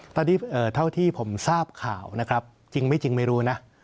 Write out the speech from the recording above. ตอนที่เท่าที่ผมทราบข่าวนะครับจริงไม่รู้นะ